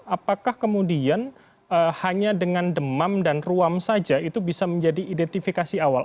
apakah kemudian hanya dengan demam dan ruam saja itu bisa menjadi identifikasi awal